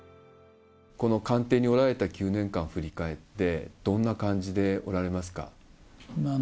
この官邸におられた９年間を振り返って、どんな感じでおられますか？